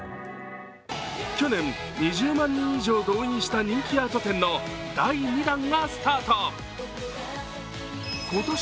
去年、２０万人以上を動員した人気アート展の第２弾がスタート。